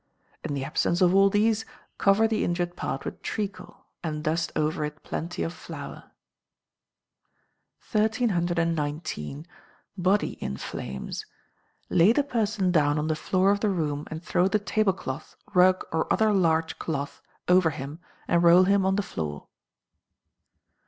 In the absence of all these, cover the injured part with treacle, and dust over it plenty of flour. 1319. Body in Flames. Lay the person down on the floor of the room, and throw the tablecloth, rug, or other large cloth over him, and roll him on the floor.